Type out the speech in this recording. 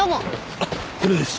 あっこれです。